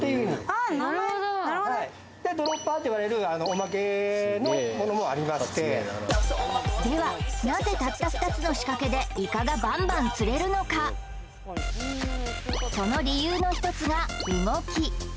ああなるほどなるほどねなるほどドロッパーといわれるオマケのものもありましてではなぜたった２つの仕掛けでイカがバンバン釣れるのかその理由の一つが動き